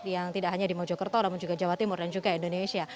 yang tidak hanya di mojokerto namun juga jawa timur dan juga indonesia